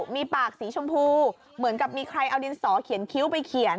มีปากสีชมพูเหมือนกับมีใครเอาดินสอเขียนคิ้วไปเขียน